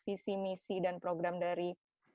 visi misi dan program dari